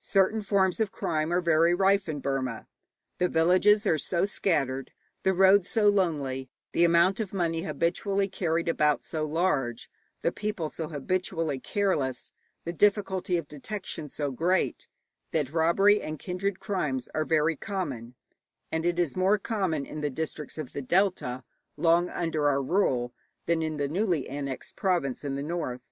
Certain forms of crime are very rife in Burma. The villages are so scattered, the roads so lonely, the amount of money habitually carried about so large, the people so habitually careless, the difficulty of detection so great, that robbery and kindred crimes are very common; and it is more common in the districts of the delta, long under our rule, than in the newly annexed province in the north.